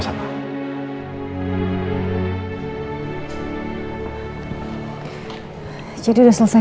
jendelanya sudah selesai